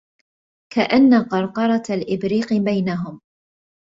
كأن قرقرة الإبريق بينهم